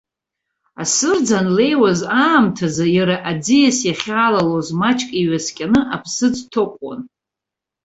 Асырӡ анлеиуаз аамҭазы, иара аӡиас иахьаалалоз маҷк иҩаскьаны аԥсыӡ тоԥуан.